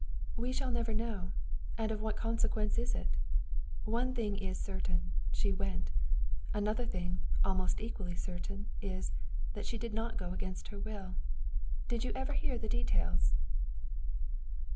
"We shall never know; and of what consequence is it? One thing is certain, she went; another thing, almost equally certain, is, she did not go against her will. Did you ever hear the details?"